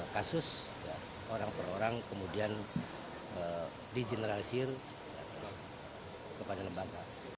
kasus orang orang kemudian digeneralisir kepada lembaga